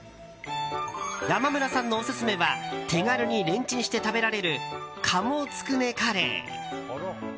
山村さんのオススメは手軽にレンチンして食べられる鴨つくねカレー。